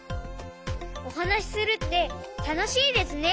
おはなしするってたのしいですね！